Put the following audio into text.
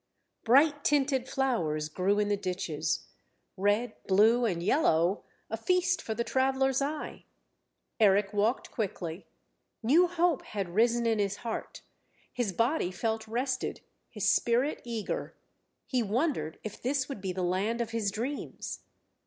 Bright tinted flowers grew in the ditches red, blue, and yellow a feast for the traveller's eye. Eric walked quickly; new hope had risen in his heart, his body felt rested, his spirit eager; he wondered if this would be the land of his dreams?